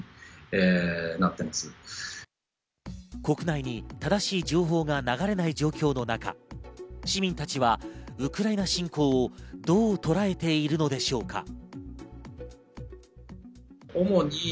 国内に正しい情報が流れない状況の中、市民たちはウクライナ侵攻をどうとらえているのでしょうか？